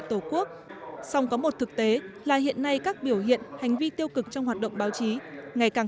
tổ quốc song có một thực tế là hiện nay các biểu hiện hành vi tiêu cực trong hoạt động báo chí ngày càng